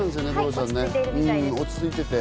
落ち着いていて。